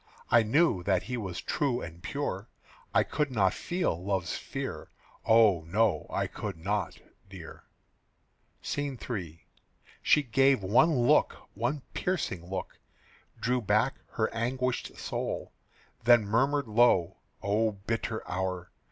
I knew that he was true and pure, I could not feel love's fear. Oh, no; I could not, dear." SCENE III. She gave one look, one piercing look, Drew back her anguished soul, Then murmured low, "O bitter hour!